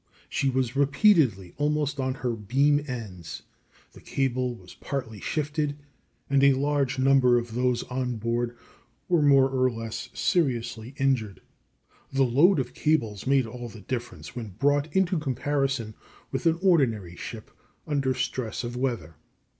She was repeatedly almost on her beam ends, the cable was partly shifted, and a large number of those on board were more or less seriously injured. The load of cable made all the difference when brought into comparison with an ordinary ship, under stress of weather.